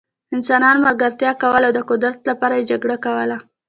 انسانانو ملګرتیا کوله او د قدرت لپاره یې جګړه کوله.